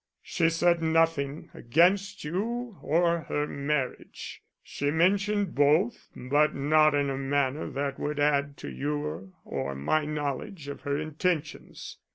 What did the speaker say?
"She said nothing against you or her marriage. She mentioned both, but not in a manner that would add to your or my knowledge of her intentions.